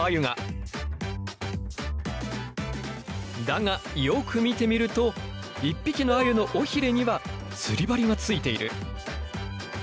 だがよく見てみると一匹のアユの尾ひれには釣り針がついている。